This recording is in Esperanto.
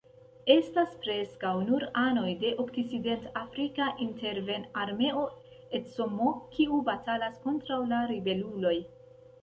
Estas preskaŭ nur anoj de okcidentafrika interven-armeo Ecomog, kiu batalis kontraŭ la ribeluloj.